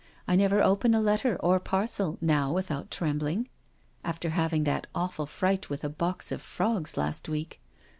I never open a letter or parcel now without trembling, after having that awful fright with a box of frogs last week.